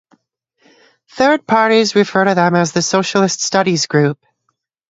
Third parties refer to them as the Socialist Studies group.